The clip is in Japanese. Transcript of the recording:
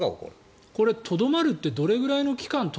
これ、とどまるってどれくらいの期間